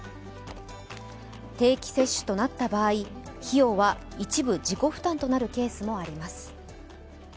定期接種となった場合、費用は一部自己負担となるケースもあります。